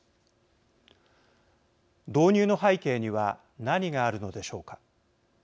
導入の背景には何があるのでしょうか。